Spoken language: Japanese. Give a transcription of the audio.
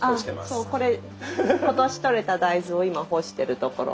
あそうこれ今年とれた大豆を今干してるところ。